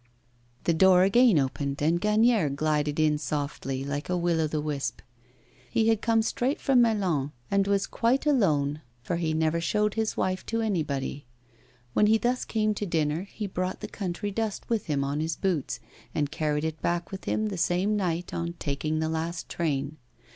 The door again opened, and Gagnière glided in softly, like a will o' the wisp. He had come straight from Melun, and was quite alone, for he never showed his wife to anybody. When he thus came to dinner he brought the country dust with him on his boots, and carried it back with him the same night on taking the last train.